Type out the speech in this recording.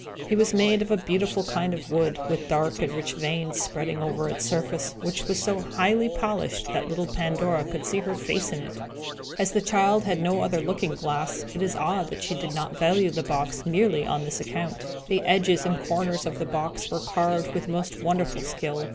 It was made of a beautiful kind of wood, with dark and rich veins spreading over its surface, which was so highly polished that little Pandora could see her face in it. As the child had no other looking glass, it is odd that she did not value the box, merely on this account. The edges and corners of the box were carved with most wonderful skill.